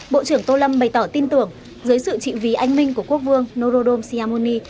bộ trưởng tô lâm bày tỏ tin tưởng dưới sự trị vì anh minh của quốc vương norodom siamoni